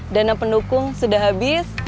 dana pendukung sudah habis